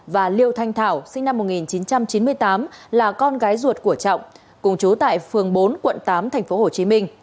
và liêu thanh thảo sinh năm một nghìn chín trăm chín mươi tám là con gái ruột của trọng cùng chú tại phường bốn quận tám tp hcm